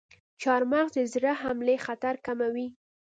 چارمغز د زړه حملې خطر کموي.